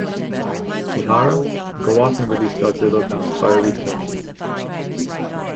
Mihara go off and release Godzilla from his fiery tomb.